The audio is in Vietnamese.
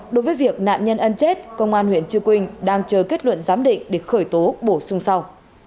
đối với việc nạn nhân ân chết công an huyện chư quynh đang chờ kết luận giám định để khởi tố bổ sung sau